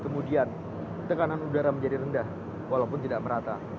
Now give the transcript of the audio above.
kemudian tekanan udara menjadi rendah walaupun tidak merata